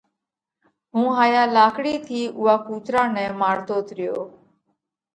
هُون هايا لاڪڙِي ٿِي اُوئا ڪُوترا نئہ مارتوت ريو۔